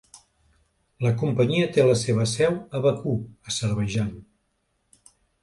La companyia té la seva seu a Bakú, Azerbaidjan.